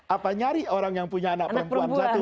apa nyari orang yang punya anak perempuan satu